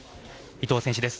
伊東選手です。